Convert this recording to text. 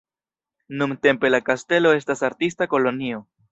Nuntempe la kastelo estas artista kolonio.